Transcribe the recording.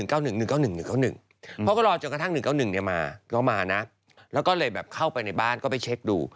เพราะก็รอจนกระทั่ง๑๙๑มาก็มานะแล้วก็เลยแบบเข้าไปในบ้านก็ไปเช็คดู